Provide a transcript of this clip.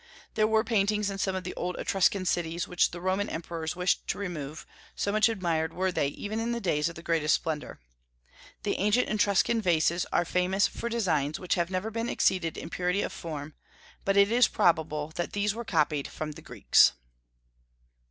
There were paintings in some of the old Etruscan cities which the Roman emperors wished to remove, so much admired were they even in the days of the greatest splendor. The ancient Etruscan vases are famous for designs which have never been exceeded in purity of form, but it is probable that these were copied from the Greeks.